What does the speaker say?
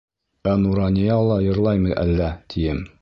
Ә Нурания ла йырлаймы әллә, тием?